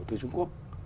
từ trung quốc